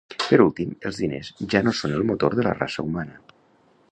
Per últim, els diners ja no són el motor de la raça humana.